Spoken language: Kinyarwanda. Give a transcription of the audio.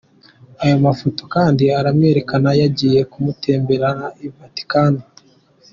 Ayo mafoto kandi aramwerekana yagiye kumutemberera I Vatican.